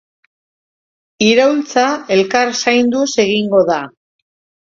Iraultza elkar zainduz egingo da.